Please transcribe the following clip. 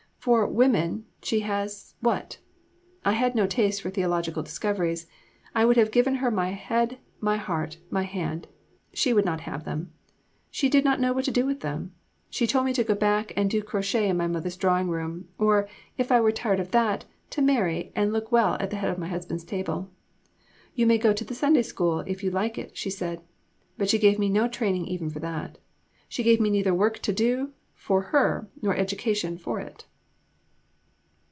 For women she has what? I had no taste for theological discoveries. I would have given her my head, my heart, my hand. She would not have them. She did not know what to do with them. She told me to go back and do crochet in my mother's drawing room; or, if I were tired of that, to marry and look well at the head of my husband's table. You may go to the Sunday School, if you like it, she said. But she gave me no training even for that. She gave me neither work to do for her, nor education for it."